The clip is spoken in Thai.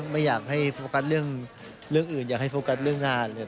ไม่อยากให้โฟกัสเรื่องอื่นอยากให้โฟกัสเรื่องงานเลย